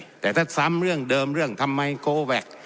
แต่ถ้าซ้ำเรื่องเดิมเรื่องทำไมโกแวค